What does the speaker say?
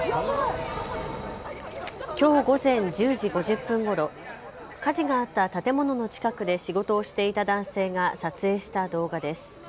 きょう午前１０時５０分ごろ、火事があった建物の近くで仕事をしていた男性が撮影した動画です。